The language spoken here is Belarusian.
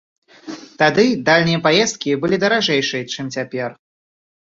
Тады дальнія паездкі былі даражэйшыя, чым цяпер.